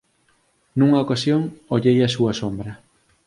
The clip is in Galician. _Nunha ocasión ollei a súa sombra.